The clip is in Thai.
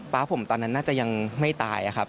๊าผมตอนนั้นน่าจะยังไม่ตายครับ